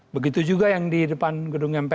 begitu juga yang di depan gedung mpr